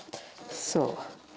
そう。